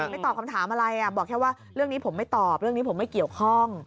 ไม่ตอบคำถามอะไรบอกแค่ว่าเรื่องนี้ผมไม่ตอบเรื่องนี้ผมไม่เกี่ยวข้อง